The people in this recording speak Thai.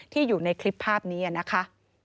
อยู่ในคลิปภาพนี้นะคะ